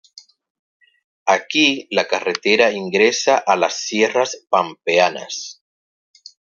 Aquí la carretera ingresa a las Sierras Pampeanas.